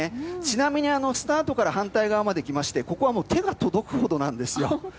ちなみにスタートから反対側まで来ましてここは手が届くほどなんですよ。